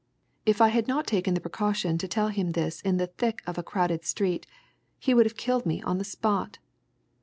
If I had not taken the precaution to tell him this in the thick of a crowded street, he would have killed me on the spot!